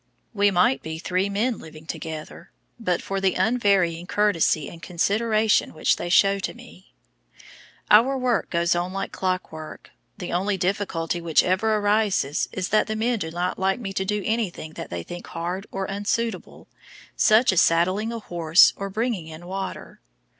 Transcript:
We might be three men living together, but for the unvarying courtesy and consideration which they show to me. Our work goes on like clockwork; the only difficulty which ever arises is that the men do not like me to do anything that they think hard or unsuitable, such as saddling a horse or bringing in water.